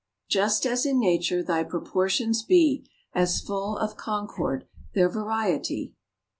"Just, as in nature, thy proportions be, As full of concord their variety."